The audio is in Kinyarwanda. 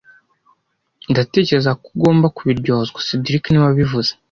Ndatekereza ko ugomba kubiryozwa cedric niwe wabivuze